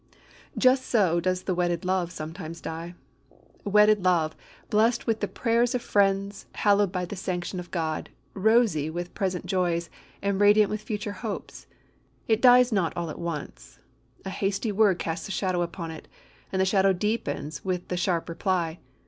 Just so does wedded love sometimes die. Wedded love, blessed with the prayers of friends, hallowed by the sanction of God, rosy with present joys, and radiant with future hopes, it dies not all at once. A hasty word casts a shadow upon it, and the shadow deepens with the sharp reply.